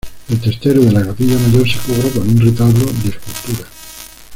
El testero de la capilla mayor se cubre con un retablo de escultura.